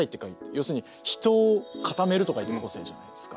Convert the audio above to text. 要するに「人」を「固める」と書いて「個性」じゃないですか。